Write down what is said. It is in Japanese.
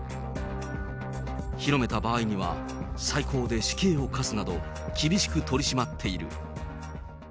広めた場合には最高で死刑を科すなど厳しく取り締まっている。